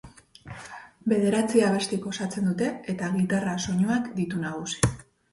Bederatzi abestik osatzen dute eta gitarra soinuak ditu nagusi.